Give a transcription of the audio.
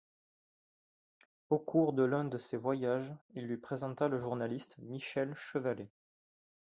Au cours de l'un de ces voyages, il lui présenta le journaliste Michel Chevalet.